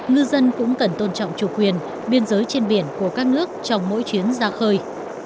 ngư dân cũng cần tôn trọng chủ quyền biên giới trên biển của các nước trong mỗi chuyến ra khơi